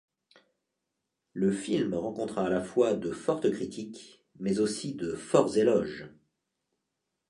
Le film rencontra à la fois de fortes critiques mais aussi de forts éloges.